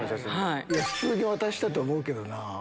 普通に渡したと思うけどな。